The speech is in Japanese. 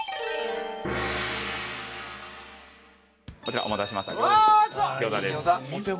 こちらお待たせしました餃子です。